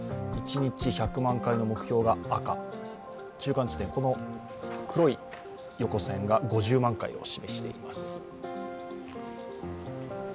一日１００万回の目標が赤中間地点、黒い横線が５０万回を示しています。